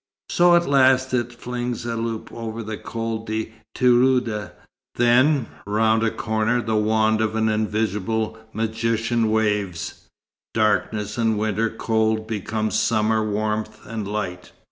So at last it flings a loop over the Col de Tirouda. Then, round a corner the wand of an invisible magician waves: darkness and winter cold become summer warmth and light.